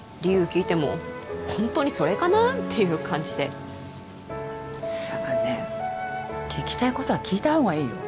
聞いてもホントにそれかなっていう感じであのね聞きたいことは聞いたほうがいいよ